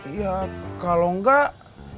iya kalau enggak